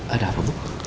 ada apa bu